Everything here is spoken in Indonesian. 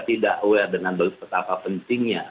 tidak aware dengan betapa pentingnya